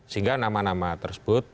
sehingga nama nama tersebut